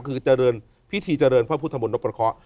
คือพิธีเจริญพระพุทธำนตร์นับประเคาะ